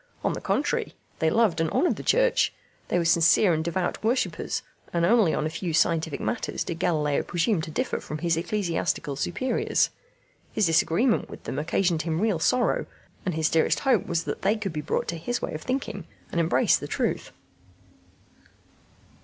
On the contrary, they loved and honoured the Church. They were sincere and devout worshippers, and only on a few scientific matters did Galileo presume to differ from his ecclesiastical superiors: his disagreement with them occasioned him real sorrow; and his dearest hope was that they could be brought to his way of thinking and embrace the truth.